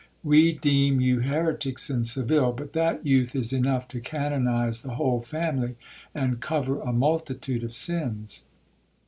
We deem you heretics in Seville, but that youth is enough to canonize the whole family, and cover a multitude of sins.'